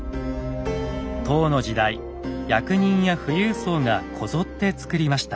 唐の時代役人や富裕層がこぞってつくりました。